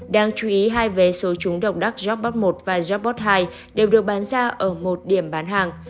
đáng chú ý hai vé số trúng độc đắc jackpot một và jackpot hai đều được bán ra ở một điểm bán hàng